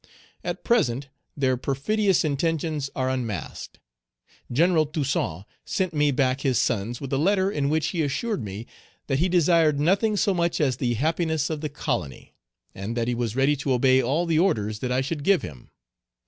At present, their perfidious intentions are unmasked. General Toussaint sent me back his sons with a letter in which he assured me that he desired nothing so much as the happiness of the colony, and that he was ready to obey all the orders that I should give him.